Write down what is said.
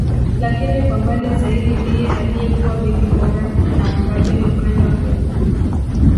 Lakini kwa mbali zaidi ndiye aliyekuwa beki bora na mbabe ukanda huu